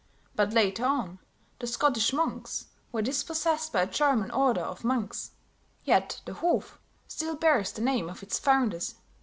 But later on, the Scottish monks were dispossessed by a German order of monks; yet the Hof still bears the name of its founders.